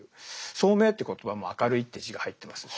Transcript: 「聡明」って言葉も「明るい」って字が入ってますね。